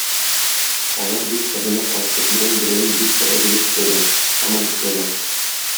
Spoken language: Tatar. Алар бит Фәһимә карчык белән берәүне бик тә өзелеп көтәләр, һаман көтәләр!